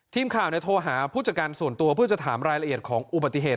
ทีมข่าวโทรหาผู้จัดการส่วนตัวเพื่อจะถามรายละเอียดของอุบัติเหตุ